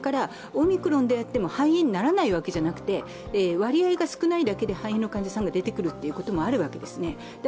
オミクロンであっても肺炎にならないわけじゃなっくて割合が少ないだけで、肺炎の患者さんが出てくることもあるわけです。